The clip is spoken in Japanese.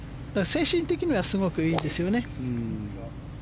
精神的にはすごくいいんですよね。